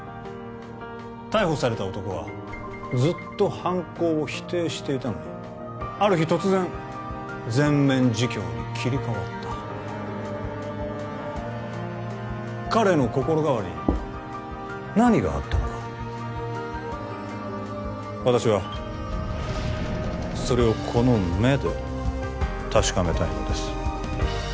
逮捕された男はずっと犯行を否定していたのにある日突然全面自供に切り替わった彼の心変わりに何があったのか私はそれをこの目で確かめたいのです